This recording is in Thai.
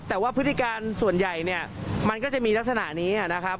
แต่ว่าพฤติการส่วนใหญ่เนี่ยมันก็จะมีลักษณะนี้นะครับ